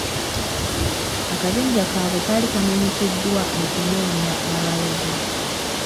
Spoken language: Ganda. Akabinja kaabwe kaali kamanyikiddwa mu kunoonya abalogo.